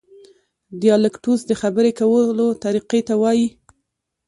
ډیالکټوس د خبري کوو طریقې ته وایي.